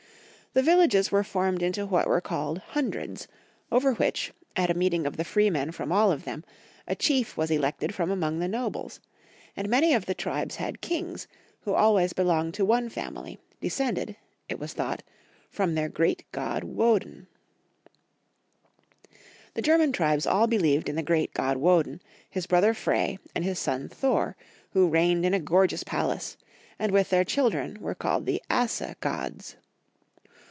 The villages were formed into what were called hundreds, over which, at a meeting of the freemen from all of them, a chief was elected from among the nobles ; and many of the tribes had kings, who always belonged to one family, descended, it was thought, from their great god Woden. ANCIENT GERMAN VILLAGE. The German tribes all believeJ in the great god Woden, his brother Frey, and his son Thor, who teigned in a gorgeous palace, and with their children were called the Asa gods.